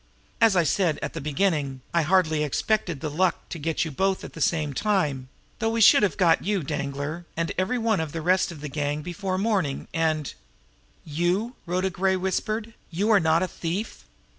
As I said at the beginning, I hardly expected the luck to get you both at the same time; though we should have got you, Danglar, and every one of the rest of the gang before morning, and " "You," Rhoda Gray whispered, "you are not a thief!"